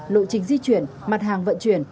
lộ trình di chuyển mặt hàng vận chuyển